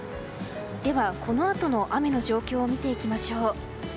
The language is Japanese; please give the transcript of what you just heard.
では、このあとの雨の状況を見ていきましょう。